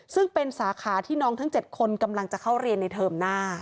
ซึ่งเป็นสาขาที่น้องทั้ง๗คนกำลังจะเข้าเรียนในเทอมหน้า